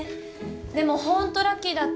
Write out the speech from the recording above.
でもホントラッキーだった。